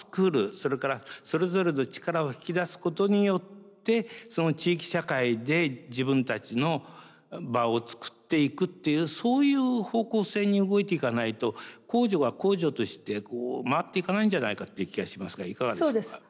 それからそれぞれの力を引き出すことによってその地域社会で自分たちの場をつくっていくっていうそういう方向性に動いていかないと公助が公助としてこう回っていかないんじゃないかっていう気がしますがいかがでしょう？